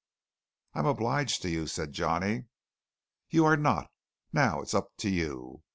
"I'm obliged to you," said Johnny. "You are not. Now it's up to you.